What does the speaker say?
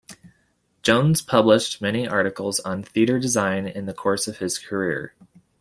Jones published many articles on theatre design in the course of his career.